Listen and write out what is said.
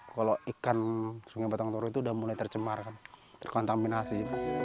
kalau ikan sungai batang toru itu sudah mulai tercemar kan terkontaminasi